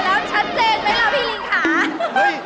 ชัดเจนไหมพี่ลิงขา